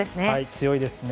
強いですね。